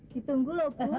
ditunggu lho bu